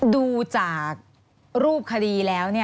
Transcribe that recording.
ดูจากรูปคดีแล้ว